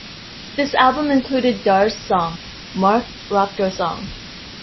This album included Dar's song: Mark Rothko Song.